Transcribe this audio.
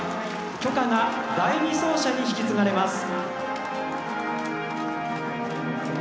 炬火が第２走者に引き継がれます。